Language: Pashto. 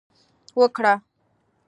وکړه